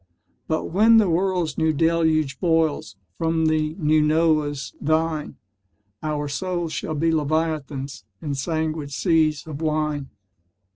But when the world's New Deluge boils From the New Noah's vine, Our souls shall be Leviathans In sanguine seas of wine.